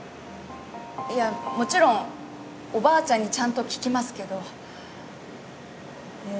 いやもちろんおばあちゃんにちゃんと聞きますけど。